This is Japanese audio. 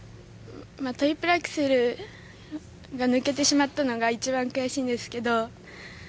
トリプルアクセルが抜けてしまったのが一番悔しいんですけど。